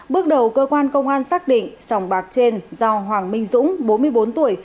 bước đầu cơ quan công an xác định sòng bạc trên do hoàng minh dũng bốn mươi bốn tuổi